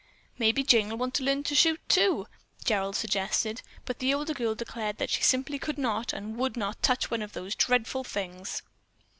"Maybe Jane'll want to learn too," Gerald suggested, but the older girl declared that she simply could not and would not touch one of the dreadful things.